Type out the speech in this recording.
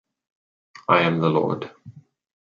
I am the Lord